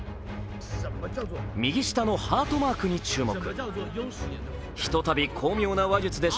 右下のハートマークに注目。